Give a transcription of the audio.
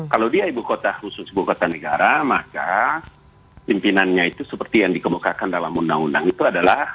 kalau dia ibu kota khusus ibu kota negara maka pimpinannya itu seperti yang dikemukakan dalam undang undang itu adalah